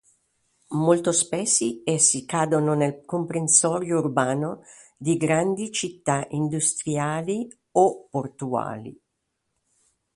Molto spesso essi cadono nel comprensorio urbano di grandi città industriali o portuali.